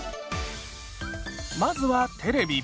まずはテレビ。